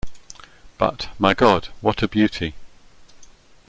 But, my God, what a beauty!